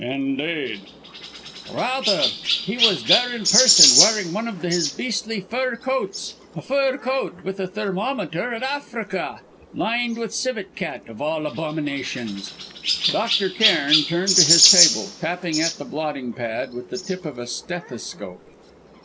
"Indeed!" "Rather. He was there in person, wearing one of his beastly fur coats a fur coat, with the thermometer at Africa! lined with civet cat, of all abominations!" Dr. Cairn turned to his table, tapping at the blotting pad with the tube of a stethoscope.